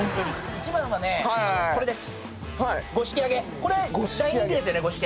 一番はねこれです。